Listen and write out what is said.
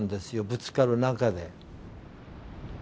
ぶつかる中で。